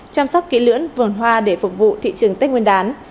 chăm sóc kỹ lưỡn vườn hoa để phục vụ thị trường tết nguyên đán